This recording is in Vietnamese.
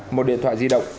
một điện thoại di động